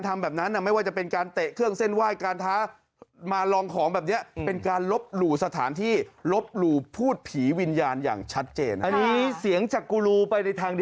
มันจะเป็นอย่างไรพี่ตีช่วง